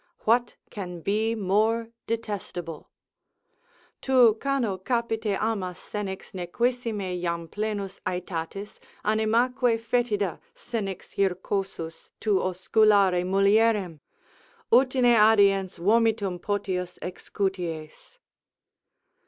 What can be more detestable? Tu cano capite amas senex nequissime Jam plenus aetatis, animaque foetida, Senex hircosus tu osculare mulierem? Utine adiens vomitum potius excuties.